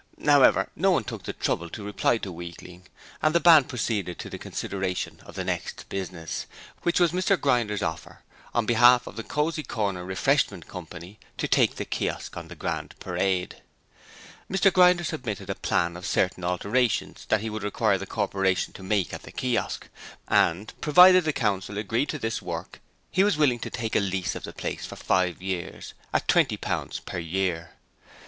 However, no one took the trouble to reply to Weakling, and the Band proceeded to the consideration of the next business, which was Mr Grinder's offer on behalf of the 'Cosy Corner Refreshment Company' to take the Kiosk on the Grand Parade. Mr Grinder submitted a plan of certain alterations that he would require the Corporation to make at the Kiosk, and, provided the Council agreed to do this work he was willing to take a lease of the place for five years at £20 per year.